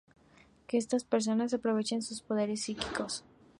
que estas personas aprovechen sus poderes psíquicos